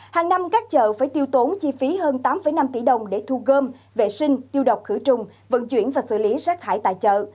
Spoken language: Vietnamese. hàng năm các chợ phải tiêu tốn chi phí hơn tám năm tỷ đồng để thu gom vệ sinh tiêu độc khử trùng vận chuyển và xử lý rác thải tại chợ